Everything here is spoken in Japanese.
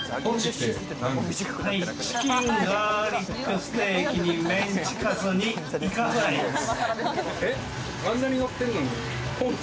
チキンガーリックステーキにメンチカツにイカフライです。